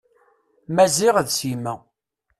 Maziɣ d Sima.